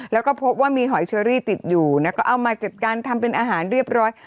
แล้วก็พบว่ามีหอยเชอรี่ติดอยู่แล้วก็เอามาจัดการทำเป็นอาหารเรียบร้อย